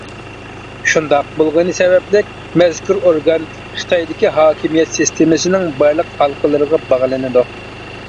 شۇنداق بولغىنى سەۋەبلىك مەزكۇر ئورگان خىتايدىكى ھاكىمىيەت سىستېمىسىنىڭ بارلىق ھالقىلىرىغا باغلىنىدۇ.